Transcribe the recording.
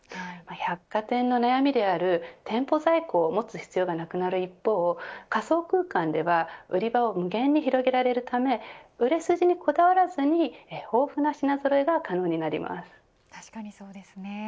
百貨店の悩みである店舗在庫を持つ必要がなくなる一方仮想空間では売り場を無限に広げられるため売れ筋にこだわらずに豊富な品ぞろえが確かにそうですね。